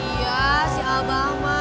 iya si abah mbah